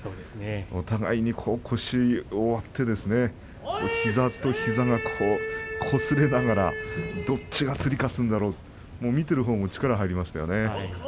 互いに腰を割って膝と膝がこすれながらどっちがつり勝つんだろう見ているほうも力が入りました。